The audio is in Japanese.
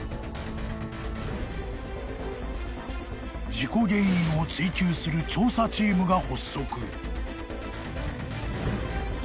［事故原因を追究する調査チームが発足］